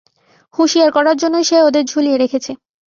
হুঁশিয়ার করার জন্য সে ওদের ঝুলিয়ে রেখেছে।